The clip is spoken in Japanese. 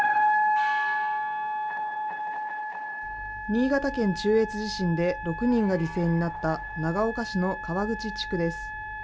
新潟県中越地震で６人が犠牲になった長岡市の川口地区です。